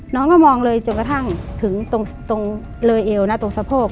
น้องก็มองเลยจนกระทั่งถึงตรงเลยเอวนะตรงสะโพก